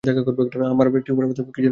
আমার পায়ে টিউমারের মত কি যেন হয়েছে।